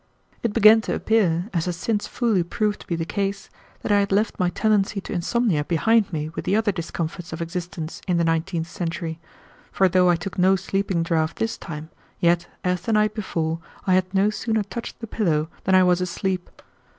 It began to appear, as has since fully proved to be the case, that I had left my tendency to insomnia behind me with the other discomforts of existence in the nineteenth century; for though I took no sleeping draught this time, yet, as the night before, I had no sooner touched the pillow than I was asleep.